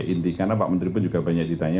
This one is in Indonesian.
inti karena pak menteri pun juga banyak ditanya